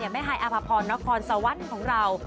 ฮายอภพรนครสวรรค์ของเรา